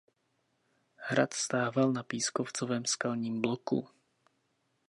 Hrad stával na pískovcovém skalním bloku.